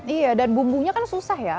iya dan bumbunya kan susah ya